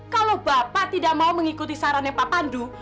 kalau bapak tidak mau mengikuti sarannya pak pandu